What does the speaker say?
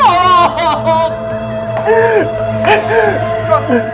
buka pintu nak